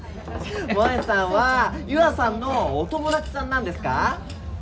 萌さんは優愛さんのお友達さんなんですか？